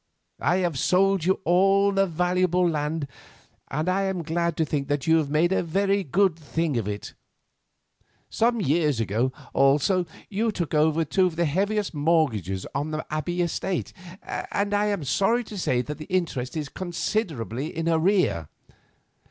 I have sold you all the valuable land, and I am glad to think that you have made a very good thing of it. Some years ago, also, you took over the two heaviest mortgages on the Abbey estate, and I am sorry to say that the interest is considerably in arrear.